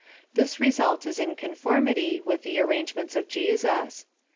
— This result is in conformity with the arrai gements of Jesus.